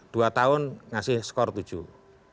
dua tahun ngasih skor tujuh